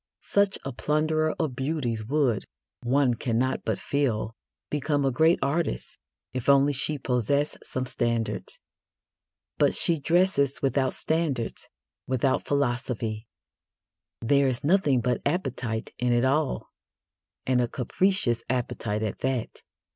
Such a plunderer of beauties would, one cannot but feel, become a great artist if only she possessed some standards. But she dresses without standards, without philosophy: there is nothing but appetite in it all, and a capricious appetite at that.